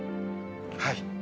はい。